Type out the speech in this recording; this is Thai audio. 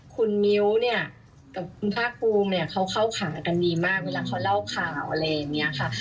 คุณมิ้วกับพระคุณก็เข้าใคร่กันดีมากเวลาเวลาเร่ากลัวข่าวอะไรแบบนี้ค่ะ